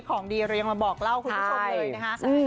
ของดีเรายังมาบอกเล่าคุณผู้ชมเลยนะคะ